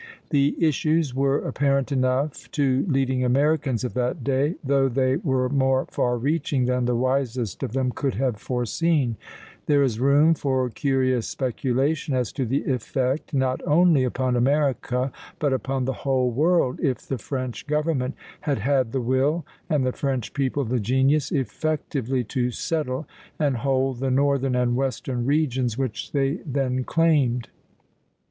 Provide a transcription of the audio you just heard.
The issues were apparent enough to leading Americans of that day, though they were more far reaching than the wisest of them could have foreseen; there is room for curious speculation as to the effect, not only upon America, but upon the whole world, if the French government had had the will, and the French people the genius, effectively to settle and hold the northern and western regions which they then claimed.